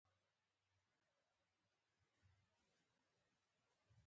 چې دادی لس کاله وروسته